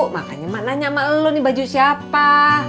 makanya mak nanya sama lu nih baju siapa